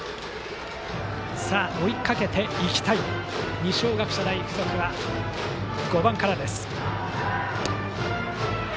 追いかけていきたい二松学舎大付属は５番からです。